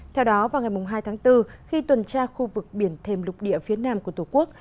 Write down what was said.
theo đó vào ngày hai tháng bốn khi tuần tra khu vực biển thêm lục địa phía nam của tổ quốc